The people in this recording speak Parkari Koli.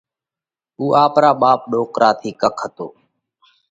اُو آپرا ٻاپ ڏوڪرا ٿِي ڪک هتو۔